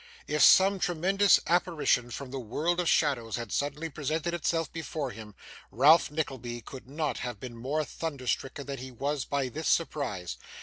If some tremendous apparition from the world of shadows had suddenly presented itself before him, Ralph Nickleby could not have been more thunder stricken than he was by this surprise.